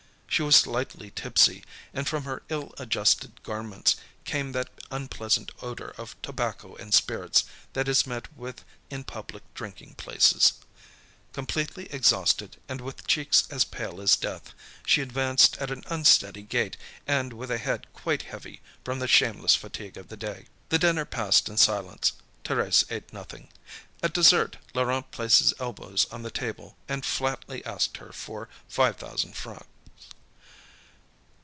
She was slightly tipsy, and from her ill adjusted garments, came that unpleasant odour of tobacco and spirits that is met with in public drinking places. Completely exhausted, and with cheeks as pale as death, she advanced at an unsteady gait and with a head quite heavy from the shameless fatigue of the day. The dinner passed in silence. Thérèse ate nothing. At dessert Laurent placed his elbows on the table, and flatly asked her for 5,000 francs.